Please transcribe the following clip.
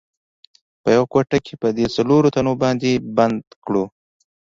په یوه کوټه کې په دې څلورو تنو باندې بند کړو.